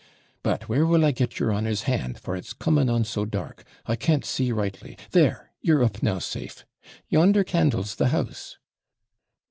But where will I get your honour's hand; for it's coming on so dark, I can't see rightly. There, you're up now safe. Yonder candle's the house.'